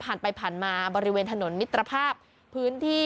ผ่านไปผ่านมาบริเวณถนนมิตรภาพพื้นที่